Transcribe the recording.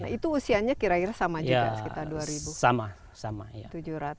itu usianya kira kira sama juga sekitar dua ribu